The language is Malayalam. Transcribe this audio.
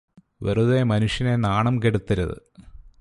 വെറുതേ മനുഷ്യനെ നാണം കെടുത്തരുത്